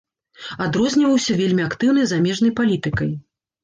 Адрозніваўся вельмі актыўнай замежнай палітыкай.